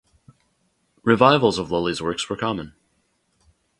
Revivals of Lully's works were common.